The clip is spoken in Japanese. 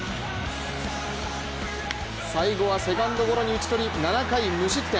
最後はセカンドゴロに打ち取り７回無失点。